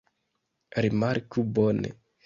Rimarku bone.